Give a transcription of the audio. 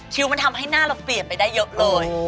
มันทำให้หน้าเราเปลี่ยนไปได้เยอะเลย